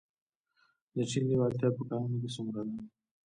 د چین لیوالتیا په کانونو کې څومره ده؟